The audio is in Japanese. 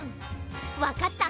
わかった。